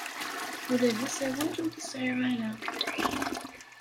Ula d asawal ur t-tesɛi ara.